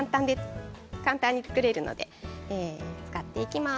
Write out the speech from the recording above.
簡単に作れるので使っていきます。